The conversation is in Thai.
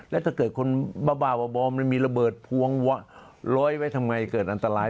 แล้วถ้าเกิดคนบ้ามันมีระเบิดพวงวะร้อยไว้ทำไงเกิดอันตราย